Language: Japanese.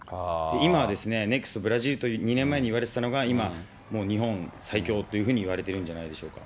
今はですね、ネクストブラジルと２年前に言われてたのが、今、もう日本最強っていうふうにいわれているんじゃないでしょうか。